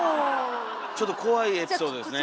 ちょっと怖いエピソードですねえ。